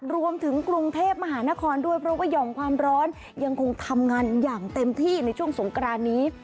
รวมถึงกรุงเทพมหานครด้วยเพราะว่าห่อมความร้อนยังคงทำงานอย่างเต็มที่ในช่วงสงกรานนี้